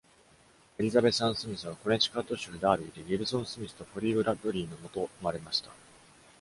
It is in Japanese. エリザベス・アン・スミスは、コネチカット州ダービーでギブソン・スミスとポリー・ブラッドリーのもと生まれました。